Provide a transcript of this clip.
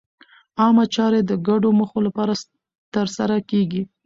عامه چارې د ګډو موخو لپاره ترسره کېږي.